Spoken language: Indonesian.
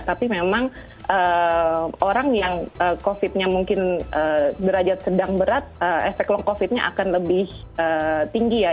tapi memang orang yang covid nya mungkin derajat sedang berat efek long covid nya akan lebih tinggi ya